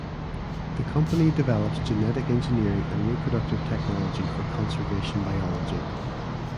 The company develops genetic engineering and reproductive technology for conservation biology.